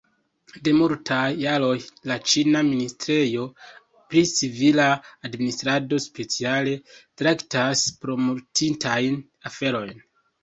De multaj jaroj la ĉina ministrejo pri civila administrado speciale traktas pormortintajn aferojn.